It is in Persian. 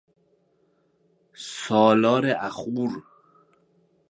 سالار آخور